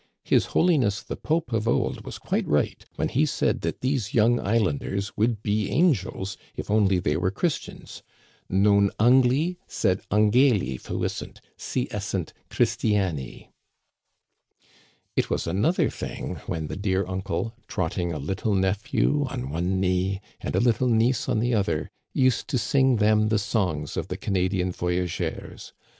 His Holiness the Pope of old was quite right when he said that these young islanders would be angels if only they were Christians ; nan angli^ sed angeli fuissent^ si essent Christiani" It was another thing when the dear uncle, trotting a little nephew on one knee and a little niece on the other, used to sing them the songs of the Canadian voyageurs.